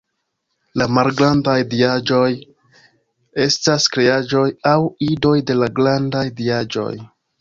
La malgrandaj diaĵoj estas kreaĵoj aŭ idoj de la grandaj diaĵoj.